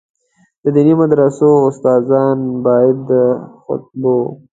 د دیني مدرسو استادان باید د خطبو.